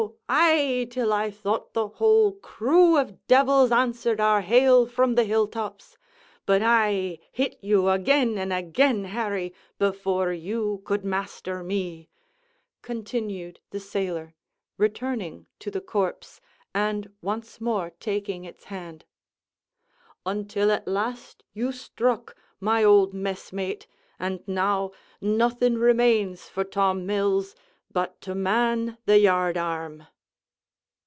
aye; till I thought the whole crew of devils answered our hail from the hill tops! But I hit you again and again, Harry! before you could master me," continued the sailor, returning to the corpse, and once more taking its hand "until at last you struck, my old messmate! And now nothing remains for Tom Mills but to man the yard arm!"